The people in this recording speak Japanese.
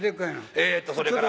えっとそれから。